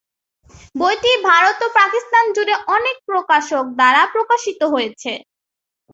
বইটি ভারত ও পাকিস্তান জুড়ে অনেক প্রকাশক দ্বারা প্রকাশিত হয়েছে।